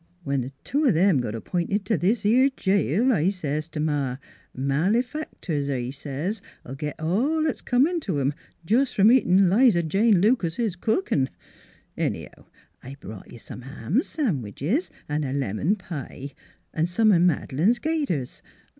When th' two of 'em got ap p'inted t' this 'ere jail I says t' Ma, ' Malefactors,' I says, ' '11 git all 'at's comin' t' 'em jes' from eatin' 'Liza Jane Lucases cookinV Anyhow, I brought you some ham sandwiches an' a lemon pie an' some o' Mad'lane's gaiters.